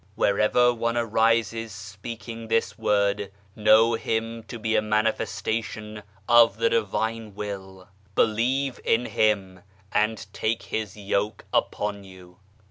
Wherever one arises speaking this Word, know him to be a Manifestation of the Divine Will, believe in him, and take his yoke upon you."